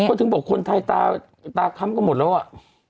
ก็ถึงบอกคนไทยตาตาค้ำกันหมดแล้วอ่ะ